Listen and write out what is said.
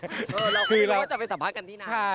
เราคุยแล้วว่าจะไปสัมภาษณ์กันที่น้ำ